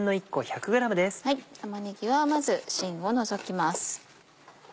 玉ねぎはまず芯を除きます。